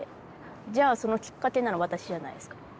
じゃあそのきっかけなの私じゃないですか。